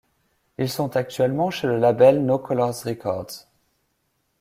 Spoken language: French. Ils sont actuellement chez le label No Colours Records.